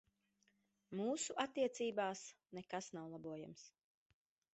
Mūsu attiecībās nekas nav labojams.